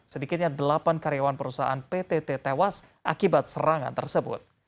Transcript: sedikitnya delapan karyawan perusahaan ptt tewas akibat serangan tersebut